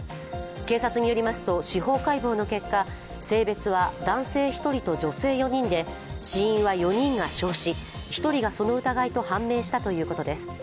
警察によりますと、司法解剖の結果、性別は男性１人と女性４人で死因は４人が焼死、１人がその疑いで判明したということです。